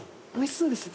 「そうっすね」